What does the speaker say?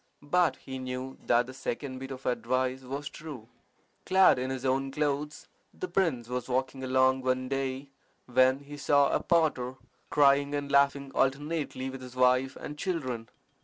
But he knew that the second bit of advice was true. Clad in his own clothes, the prince was walking along one day when he saw a potter crying and laughing alternately with his wife and children.